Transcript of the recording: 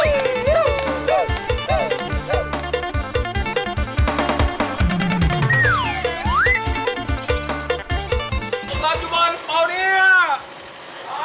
สวัสดีค่ะ